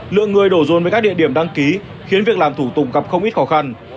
lượng người đổ rồn về các địa điểm đăng ký khiến việc làm thủ tục gặp không ít khó khăn